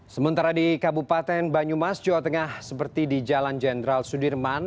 sementara di kabupaten banyumas jawa tengah seperti di jalan jenderal sudirman